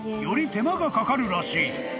手間がかかるらしい］